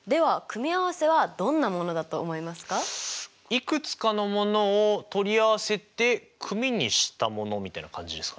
いくつかのものを取り合わせて組にしたものみたいな感じですかね？